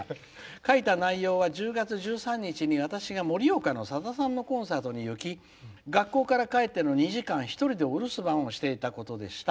書いた内容は１０月１３日に私が盛岡のさださんのコンサートに行き学校から帰っての２時間１人でお留守番をしていたことでした。